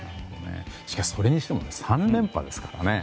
しかし、それにしても３連覇ですからね。